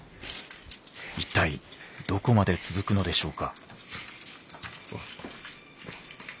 一体どこまで続くのでしょうか。